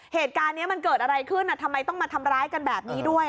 เหตุการณ์นี้มันเกิดอะไรขึ้นทำไมต้องมาทำร้ายกันแบบนี้ด้วย